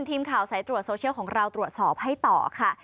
ทีมข่าวสายตรวจโซเชียลของเราตรวจสอบให้ต่อค่ะ